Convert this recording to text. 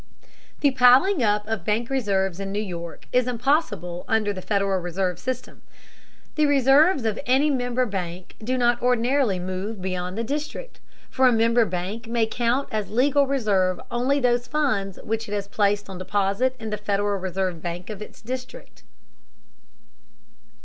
The piling up of bank reserves in New York is impossible under the Federal Reserve system. The reserves of any member bank do not ordinarily move beyond the district, for a member bank may count as legal reserve only those funds which it has placed on deposit in the Federal Reserve bank of its district.